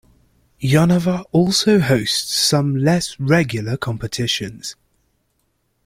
Jonava also hosts some less regular competitions.